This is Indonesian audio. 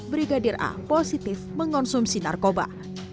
brigadir a positif mengonsumsi narkoba